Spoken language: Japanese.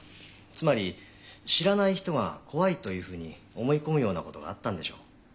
つまり知らない人が怖いというふうに思い込むようなことがあったんでしょう。